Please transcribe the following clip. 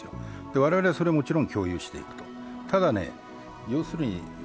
我々はそれをもちろん共有していく。